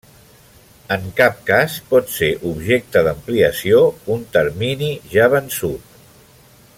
En cap cas pot ser objecte d’ampliació un termini ja vençut.